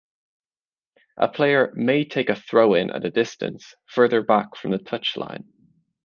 A player may take a throw-in at a distance further back from the touch-line.